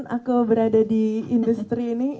aku berada di industri ini